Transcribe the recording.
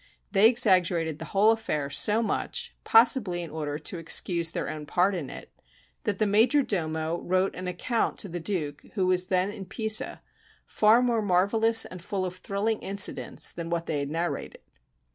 They exaggerated the whole affair so much, possibly in order to excuse their own part in it, that the major domo wrote an account to the Duke, who was then in Pisa, far more marvelous and full of thrilling incidents than what they had narrated.